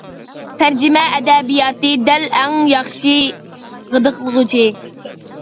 تەرجىمە ئەدەبىياتى دەل ئەڭ ياخشى غىدىقلىغۇچ.